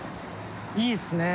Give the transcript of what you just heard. いいっすねえ